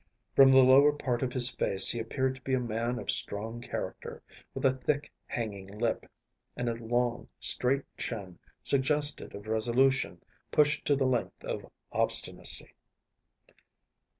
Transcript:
From the lower part of the face he appeared to be a man of strong character, with a thick, hanging lip, and a long, straight chin suggestive of resolution pushed to the length of obstinacy.